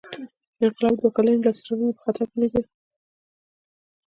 انقلاب دوه کلنۍ لاسته راوړنې په خطر کې لیدې.